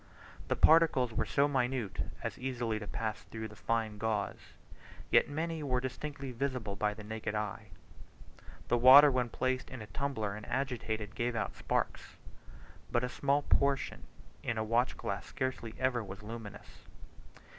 The particles were so minute as easily to pass through fine gauze; yet many were distinctly visible by the naked eye. The water when placed in a tumbler and agitated, gave out sparks, but a small portion in a watch glass scarcely ever was luminous.